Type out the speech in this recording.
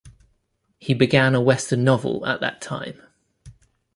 He began a western novel at that time.